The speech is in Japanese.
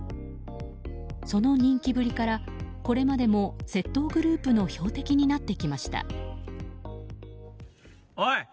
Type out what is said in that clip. その人気ぶりからこれまでも窃盗グループの標的になってきました。